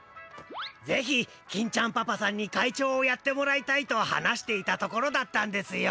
ぜひ金ちゃんパパさんに会長をやってもらいたいと話していたところだったんですよ。